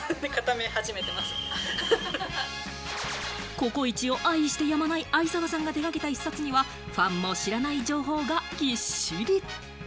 ココイチを愛してやまない相澤さんが手がけた１冊には、ファンも知らない情報がぎっしり。